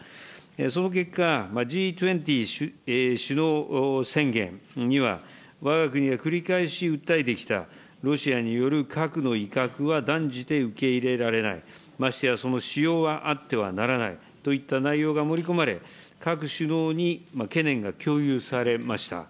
その結果、Ｇ２０首脳宣言には、わが国が繰り返し訴えてきた、ロシアによる核の威嚇は断じて受け入れられない、ましてやその使用はあってはならないといった内容が盛り込まれ、各首脳に懸念が共有されました。